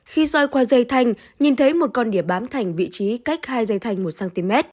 khi soi qua dây thanh nhìn thấy một con địa bám thành vị trí cách hai dây thanh một cm